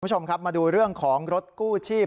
คุณผู้ชมครับมาดูเรื่องของรถกู้ชีพ